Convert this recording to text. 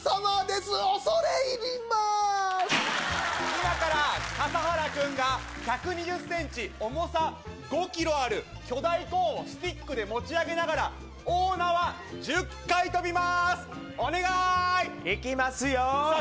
今からかさはら君が１２０センチ重さ５キロある巨大コーンをスティックで持ち上げながら大縄１０回跳びますお願いいきますよさあ